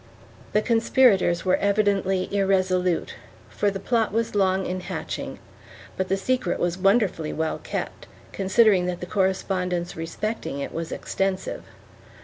The conspirators were evidently irresolute, for the plot was long in hatching, but the secret was wonderfully well kept, considering that the correspondence respecting it was extensive.